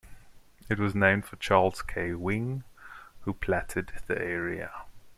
It was named for Charles K. Wing, who platted the area.